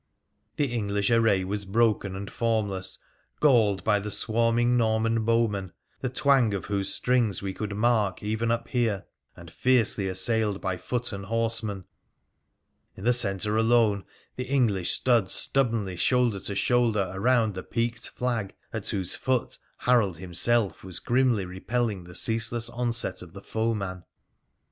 The English array was broken and formless, galled by the swarming Norman bowmen, the twang of whose strings we could mark even up here, and fiercely assailed by foot and horsemen. In the centre alone the English stood stubbornly shoulder to shoulder around the peaked flag, at whose foot Harold himself was grimly repelling the ceaseless onset of the foeman.